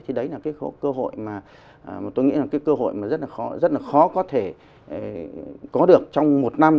thì đấy là cái cơ hội mà tôi nghĩ là cái cơ hội mà rất là khó có thể có được trong một năm